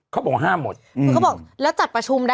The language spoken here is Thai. เขาบอกว่าห้ามหมด